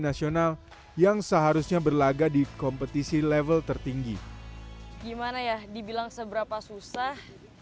nasional yang seharusnya berlaga di kompetisi level tertinggi gimana ya dibilang seberapa susah